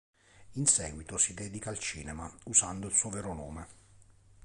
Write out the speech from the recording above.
In seguito si dedica al cinema, usando il suo vero nome.